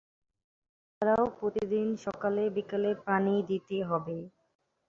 এ ছাড়াও প্রতিদিন সকাল-বিকালে পানি দিতে হবে।